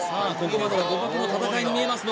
ここまでは互角の戦いに見えます